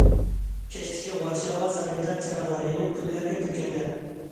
كەچتىكى ۋارشاۋا سارىيىدا چىراغلار يېنىپ گۈللەرگە پۈركەندى.